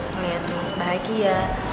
melihat mas bahagia